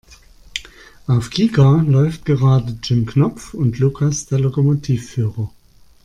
Auf Kika läuft gerade Jim Knopf und Lukas der Lokomotivführer.